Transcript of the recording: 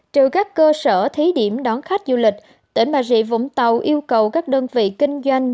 trừ các cơ sở thí điểm đón khách du lịch tỉnh bà rịa vũng tàu yêu cầu các đơn vị kinh doanh